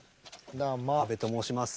阿部と申します。